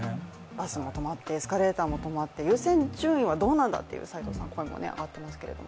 バスも止まってエスカレーターも止まって優先順位どうなんだという話がありますが。